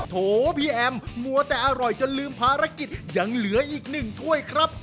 โถพี่แอมมัวแต่อร่อยจนลืมภารกิจยังเหลืออีกหนึ่งถ้วยครับ